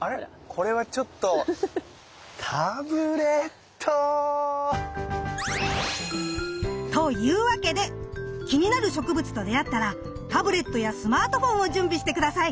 これはちょっとタブレット！というわけで気になる植物と出会ったらタブレットやスマートフォンを準備して下さい！